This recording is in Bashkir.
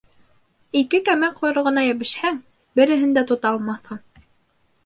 Ике кәмә ҡойроғона йәбешһәң, береһен дә тота алмаҫһың.